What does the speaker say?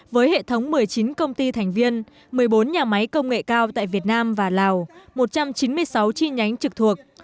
với hệ thống một mươi chín công ty thành viên một mươi bốn nhà máy công nghệ cao tại việt nam và lào một trăm chín mươi sáu chi nhánh trực thuộc